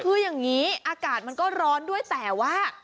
คืออย่างนี้อากาศมันก็ร้อนด้วยแต่ว่า